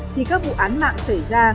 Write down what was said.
thì các vụ án mạng xảy ra